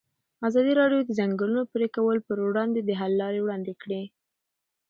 ازادي راډیو د د ځنګلونو پرېکول پر وړاندې د حل لارې وړاندې کړي.